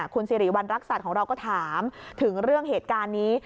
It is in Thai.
คุณสิริวัณรักษัตริย์ของเราก็ถามถึงเรื่องเหตุการณ์นี้